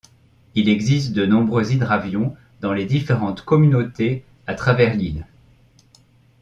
Il existe de nombreux hydravions dans les différentes communautés à travers l'île.